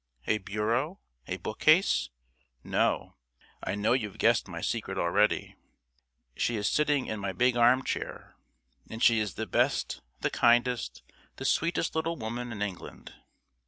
A bureau? A bookcase? No, I know you've guessed my secret already. She is sitting in my big armchair; and she is the best, the kindest, the sweetest little woman in England.